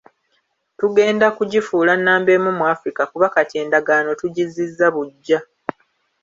Tugenda kugifuula nnamba emu mu Africa kuba kati endagaano tugizzizza buggya.